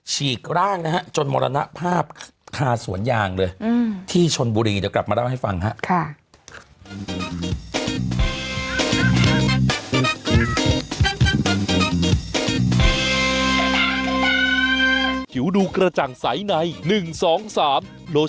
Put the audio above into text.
ฉีกร่างนะฮะจนมรณภาพคาสวนยางเลยที่ชนบุรีเดี๋ยวกลับมาเล่าให้ฟังฮะ